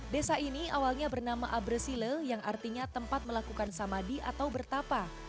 desa ini awalnya bernama abresile yang artinya tempat melakukan samadi atau bertapa